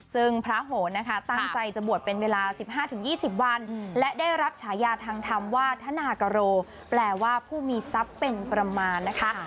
ซึ่งพระโหนนะคะตั้งใจจะบวชเป็นเวลา๑๕๒๐วันและได้รับฉายาทางธรรมว่าธนากโรแปลว่าผู้มีทรัพย์เป็นประมาณนะคะ